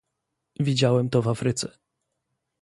Widziałem to w Afryce